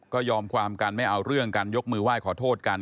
ก็ยอมความกันไม่เอาเรื่องกันยกมือไหว้ขอโทษกัน